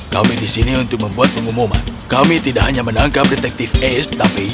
kami disini untuk membuat pengumuman kami tidak hanya menangkap detektif ace tapi